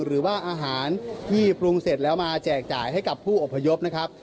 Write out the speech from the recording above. หรือว่าอาหารที่ปรุงเสร็จแล้วมาแจกจ่ายให้กับผู้อพยพนะครับ